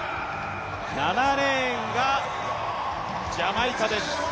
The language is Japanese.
７レーンがジャマイカです。